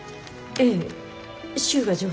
ええ。